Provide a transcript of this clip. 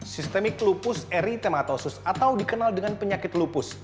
sistemik lupus eritematosus atau dikenal dengan penyakit lupus